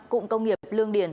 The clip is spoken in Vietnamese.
cụng công nghiệp lương điền